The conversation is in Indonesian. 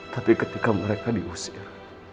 tapi ketika mereka diusir